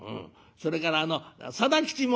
「それからあの定吉も」。